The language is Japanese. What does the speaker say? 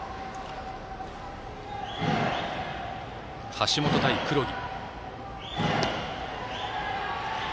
橋本対黒木。